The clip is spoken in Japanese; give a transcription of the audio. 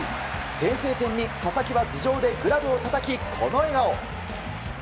先制点に佐々木は頭上でグラブをたたきこの笑顔。